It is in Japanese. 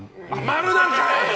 ○なんかい！